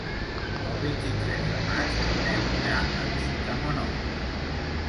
El vint-i-tres de maig en Nel irà a visitar mon oncle.